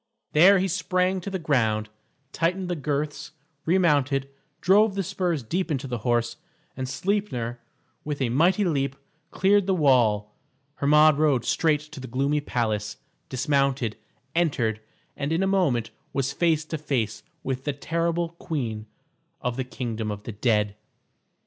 There he sprang to the ground, tightened the girths, remounted, drove the spurs deep into the horse, and Sleipner, with a mighty leap, cleared the wall. Hermod rode straight to the gloomy palace, dismounted, entered, and in a moment was face to face with the terrible queen of the kingdom of the dead.